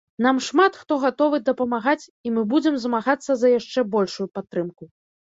Нам шмат хто гатовы дапамагаць і мы будзем змагацца за яшчэ большую падтрымку.